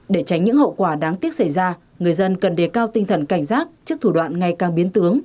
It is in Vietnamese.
để tránh những hậu quả đáng tiếc xảy ra người dân cần đề cao tinh thần cảnh giác trước thủ đoạn ngày càng biến tướng